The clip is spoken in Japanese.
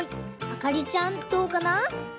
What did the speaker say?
あかりちゃんどうかな？